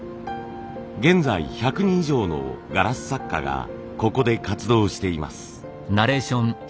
現在１００人以上のガラス作家がここで活動しています。